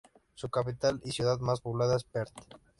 Su capital y ciudad más poblada es Perth.